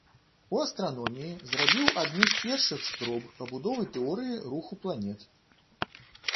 У астраноміі зрабіў адну з першых спроб пабудовы тэорыі руху планет.